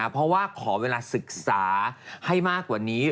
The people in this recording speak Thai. เพราะว่าขอเวลาศึกษาให้มากกว่านี้